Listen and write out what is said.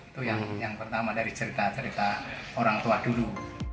itu yang pertama dari cerita cerita orang tua dulu